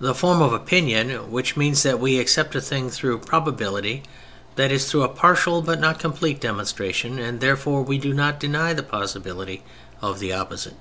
The form of Opinion, which means that we accept a thing through probability, that is through a partial, but not complete demonstration, and therefore we do not deny the possibility of the opposite.